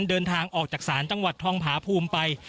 เดินทางออกจากศาลจังหวัดทองผาภูมิไป